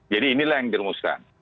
jadi inilah yang diremuskan